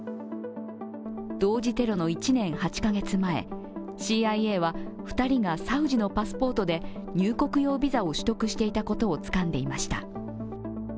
同時テロの１年８カ月前、ＣＩＡは２人がサウジのパスポートで入国用ビザを取得していたことをつかんでいました。